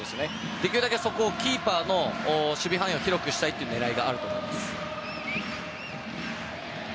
できるだけ、そこはキーパーの守備範囲を広くしたいという狙いがあると思います。